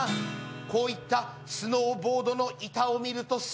「こういったスノーボードの板を見ると」